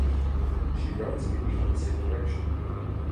She runs in the opposite direction.